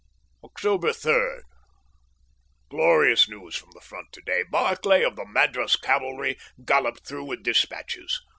October 3. Glorious news from the Front today. Barclay, of the Madras Cavalry, galloped through with dispatches.